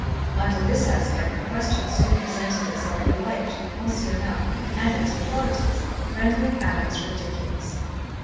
Under this aspect the question soon presented itself alike to the pensionnat and its authorities, rendering Alex ridiculous.